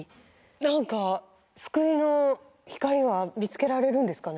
何か救いの光は見つけられるんですかね？